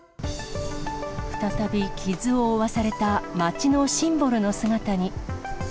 再び傷を負わされた街のシンボルの姿に。